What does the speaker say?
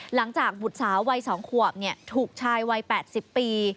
หลังจากบุษาวัย๒ขวบถูกชายวัย๘๐ปี